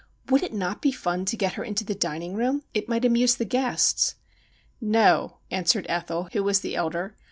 Would it not be fun to get her into the dining room ? It might amuse the guests.' 'No,' answered Ethel, who was the elder.